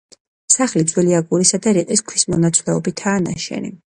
სახლი ძველი აგურისა და რიყის ქვის მონაცვლეობითაა ნაშენი.